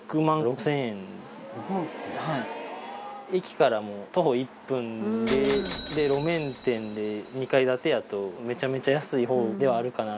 駅からも徒歩１分でで路面店で２階建てやとめちゃめちゃ安い方ではあるかなっていう。